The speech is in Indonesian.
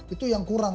itu yang kurang